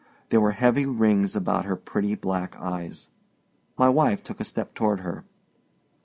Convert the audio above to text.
There were heavy rings about her pretty black eyes. My wife took a step toward her.